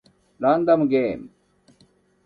ランダムゲーム